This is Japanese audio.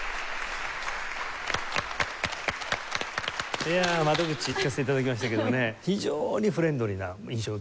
いや「窓口」聴かせて頂きましたけどもね非常にフレンドリーな印象を受けました。